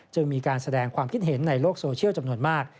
มีการแสดงความคิดเห็นในโลกโซเชียลจำนวนมาก